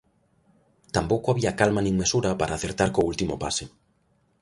Tampouco había calma nin mesura para acertar co último pase.